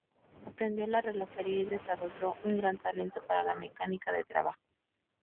Aprendió la relojería y desarrolló un gran talento para la mecánica de trabajo.